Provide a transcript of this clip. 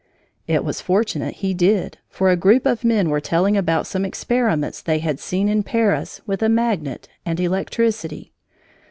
It was fortunate he did, for a group of men were telling about some experiments they had seen in Paris with a magnet and electricity.